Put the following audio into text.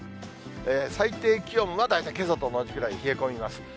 最低気温は大体けさと同じくらい冷え込みます。